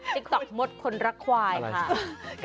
ติ๊กโต๊กมดคนรักไขวร์ค่ะ